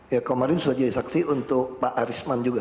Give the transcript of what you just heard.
ya kemarin sudah jadi saksi untuk pak arisman juga